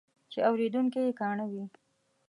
چې اورېدونکي یې کاڼه وي.